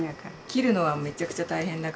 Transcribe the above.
切るのはめちゃくちゃ大変だから。